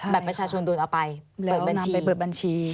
แบบประชาชนโดนเอาไปเปิดบัญชีแล้วนำไปเปิดบัญชี